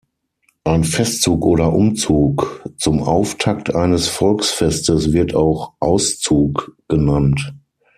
Ein Festzug oder Umzug zum Auftakt eines Volksfestes wird auch "Auszug" genannt.